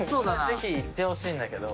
ぜひ行ってほしいんだけど。